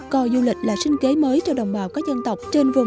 coi du lịch là sinh kế mới cho đồng bào các dân tộc